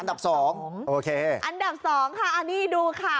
อันดับ๒โอเคอันดับ๒ค่ะอันนี้ดูค่ะ